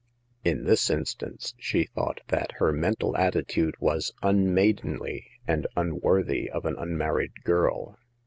In this instance, she thought that her mental attitude was unmaidenly and unworthy of an unmarried girl.